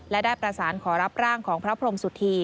และได้ประสานขอรับร่างของพระพรมสุธี